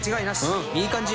うんいい感じ。